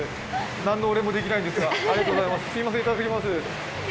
何のお礼もできないんですが、ありがとうございます、すいません、いただきます。